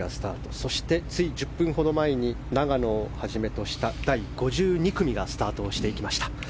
そして、つい１０分ほど前に永野をはじめとした第５２組がスタートしていきました。